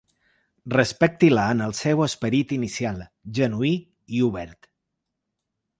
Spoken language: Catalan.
Respecti-la en el seu esperit inicial, genuí i obert.